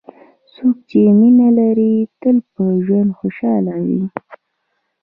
څوک چې مینه لري، تل په ژوند خوشحال وي.